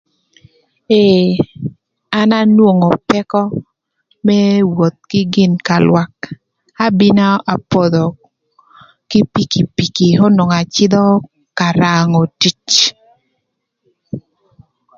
Ee an anwongo pëkö më woth kï gin ka lwak abino apodho kï pikipiki n'onwongo acïdhö ka rangö tic.